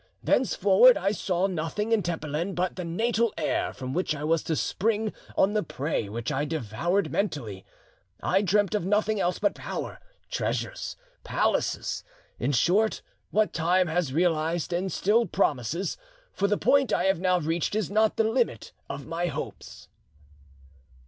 Thenceforward I saw nothing in Tepelen but the natal air from which I was to spring on the prey which I devoured mentally. I dreamt of nothing else but power, treasures, palaces, in short what time has realised and still promises; for the point I have now reached is not the limit of my hopes."